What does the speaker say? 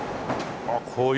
あっこういう。